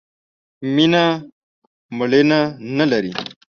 مینه ، مړینه نه لري.